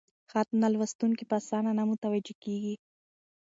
خط ته لوستونکي په اسانه نه متوجه کېږي: